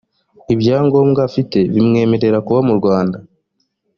ibyangombwa afite bimwemerera kuba mu rwanda